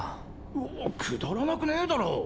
うぅくだらなくねぇだろ？